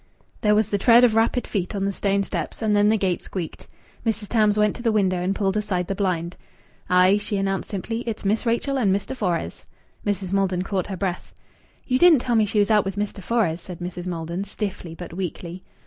There was the tread of rapid feet on the stone steps, and then the gate squeaked again. Mrs. Tams went to the window and pulled aside the blind. "Aye!" she announced simply. "It's Miss Rachel and Mr. Fores." Mrs. Maldon caught her breath. "You didn't tell me she was out with Mr. Fores," said Mrs. Maldon, stiffly but weakly.